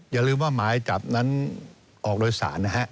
อย่าลืมว่าหมายจับนั้นออกโดยสารนะฮะ